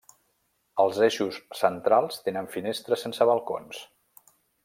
Els eixos centrals tenen finestres sense balcons.